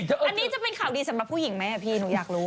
อันนี้จะเป็นข่าวดีสำหรับผู้หญิงไหมพี่หนูอยากรู้